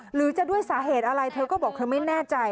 หรือจะด้วยสาเหตุอะไรเธอก็บอกเธอไม่แน่ใจ